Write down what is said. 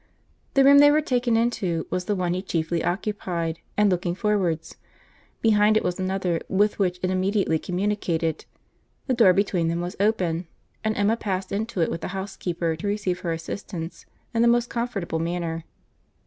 The room they were taken into was the one he chiefly occupied, and looking forwards; behind it was another with which it immediately communicated; the door between them was open, and Emma passed into it with the housekeeper to receive her assistance in the most comfortable manner.